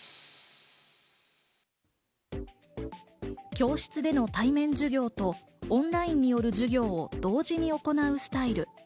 教室での対面授業とオンラインによる授業を同時に行うスタイル。